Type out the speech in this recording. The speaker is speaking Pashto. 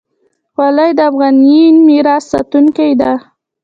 خولۍ د افغاني میراث ساتونکې ده.